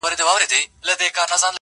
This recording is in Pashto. ځينې خلک د پېښې په اړه دعاوې کوي خاموش،